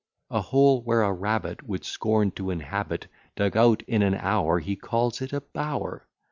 A hole where a rabbit Would scorn to inhabit, Dug out in an hour; He calls it a bower.